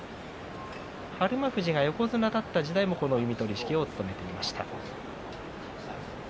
日馬富士が横綱だった時代も弓取式を務めていました。